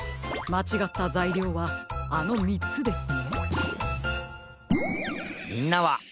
まちがったざいりょうはこちらです。